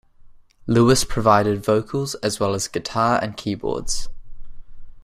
Lewis provided vocals as well as guitar and keyboards.